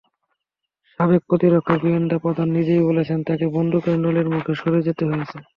সাবেক প্রতিরক্ষা গোয়েন্দা–প্রধান নিজেই বলেছেন, তাঁকে বন্দুকের নলের মুখে সরে যেতে হয়েছে।